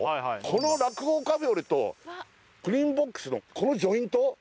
この酪王カフェオレとクリームボックスのこのジョイント？